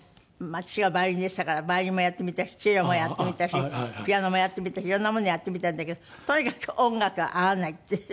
父がバイオリニストだからバイオリンもやってみたしチェロもやってみたしピアノもやってみたしいろんなものをやってみたんだけどとにかく音楽は合わないって。